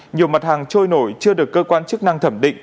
nhiều mặt hàng trôi nổi chưa được cơ quan chức năng thẩm định